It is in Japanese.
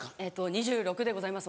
２６でございます